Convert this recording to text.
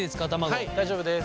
はい大丈夫です。